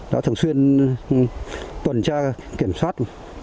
đã thường xuyên tuần tra kiểm soát